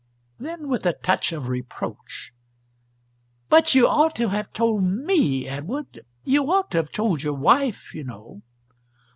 Then, with a touch of reproach, "But you ought to have told me, Edward, you ought to have told your wife, you know."